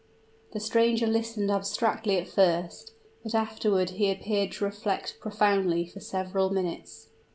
The stranger listened abstractedly at first; but afterward he appeared to reflect profoundly for several minutes.